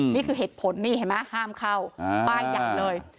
นี่คือเหตุผลนี่เห็นไหมห้ามเข้าป้ายใหญ่เลย